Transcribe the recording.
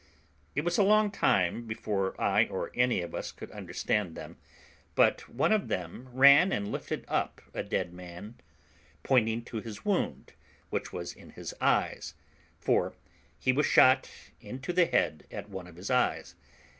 It was a long time before I or any of us could understand them; but one of them ran and lifted up a dead man, pointing to his wound, which was in his eyes, for he was shot into the head at one of his eyes.